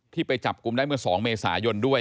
ไปจับกลุ่มได้เมื่อ๒เมษายนด้วย